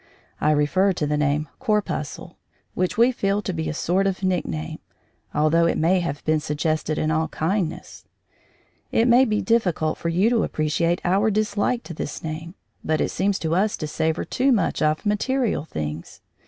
I refer to the name corpuscle, which we feel to be a sort of nickname, although it may have been suggested in all kindness. It may be difficult for you to appreciate our dislike to this name, but it seems to us to savour too much of material things.